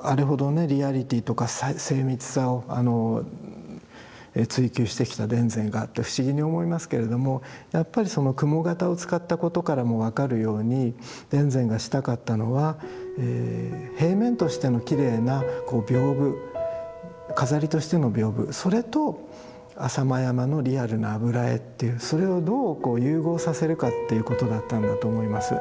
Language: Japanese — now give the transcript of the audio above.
あれほどねリアリティーとか精密さを追求してきた田善がって不思議に思いますけれどもやっぱりその雲形を使ったことからも分かるように田善がしたかったのは平面としてのきれいな屏風飾りとしての屏風それと浅間山のリアルな油絵っていうそれをどう融合させるかっていうことだったんだと思います。